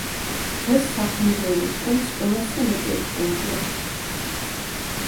დღეს სახლ-მუზეუმის ფონდს ორასზე მეტი ექსპონატი აქვს.